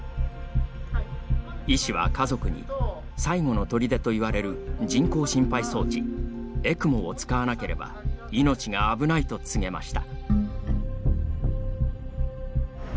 医師は家族に、最後のとりでといわれる人工心肺装置ＥＣＭＯを使わなければ命が危ないと告げました。